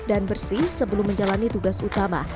dan bersih sebelum menjalani tugas utama